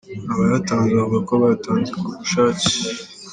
Abayatanze bavuga ko bayatanze ku bushake.